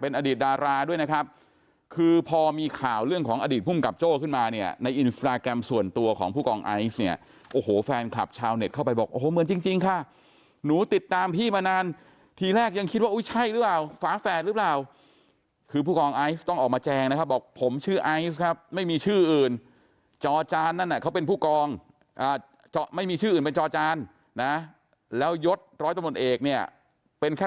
ภูกองไอซ์เนี่ยโอ้โหแฟนคลับชาวเน็ตเข้าไปบอกโอ้โหเหมือนจริงค่ะหนูติดตามพี่มานานทีแรกยังคิดว่าอุ้ยใช่หรือเปล่าฝาแฝดหรือเปล่าคือภูกองไอซ์ต้องออกมาแจงนะครับบอกผมชื่อไอซ์ครับไม่มีชื่ออื่นจอจานนั่นน่ะเขาเป็นภูกองไม่มีชื่ออื่นเป็นจอจานนะแล้วยดร้อยตำรวจเอกเนี่ยเป็นแค่